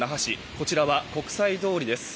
こちらは国際通りです。